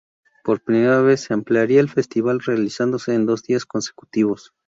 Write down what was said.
Por primera vez se ampliaría el festival, realizándose en dos días consecutivos.